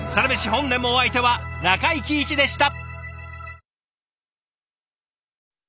本年もお相手は中井貴一でした。